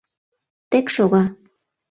Тек шога!